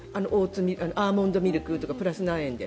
アーモンドミルクとかプラス何円で。